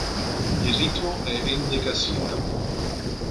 Il ritmo è endecasillabo.